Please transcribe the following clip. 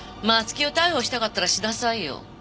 松木を逮捕したかったらしなさいよ。